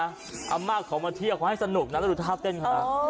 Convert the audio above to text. อัมม่าขอมาเที่ยวขอให้สนุกนะแล้วดูท่าเต้นค่ะ